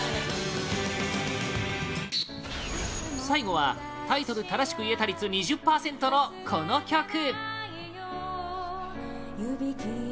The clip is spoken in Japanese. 最後はタイトル正しく言えた率２０％のこの曲！